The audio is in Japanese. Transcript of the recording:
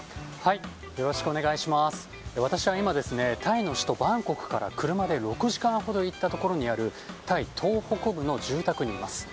私は今タイの首都バンコクから車で６時間ほど行ったところにあるタイ東北部の住宅にいます。